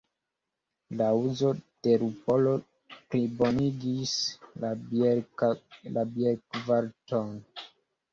La uzo de lupolo plibonigis la bierkvaliton.